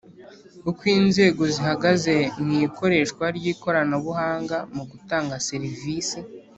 Uko inzego zihagaze mu ikoreshwa ry ikoranabuhanga mu gutanga serivisi